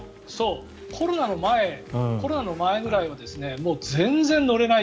コロナの前ぐらいはもう全然乗れない。